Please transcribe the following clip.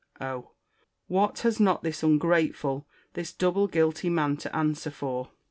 Oh! what has not this ungrateful, this double guilty man to answer for!